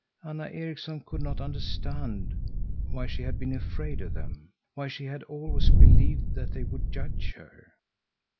Anna Erikson could not understand why she had been afraid of them, why she had always believed that they would judge her.